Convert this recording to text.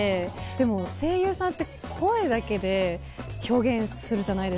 でも声優さんって声だけで表現するじゃないですか。